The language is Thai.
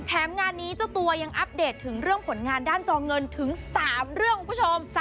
งานนี้เจ้าตัวยังอัปเดตถึงเรื่องผลงานด้านจอเงินถึง๓เรื่องคุณผู้ชม